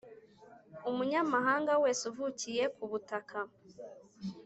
Umunyamahanga wese uvukiye ku butaka